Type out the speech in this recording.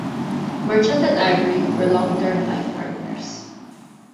Merchant and Ivory were long-term life partners.